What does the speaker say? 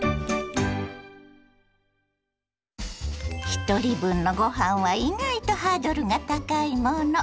ひとり分のごはんは意外とハードルが高いもの。